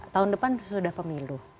tahun depan sudah pemilu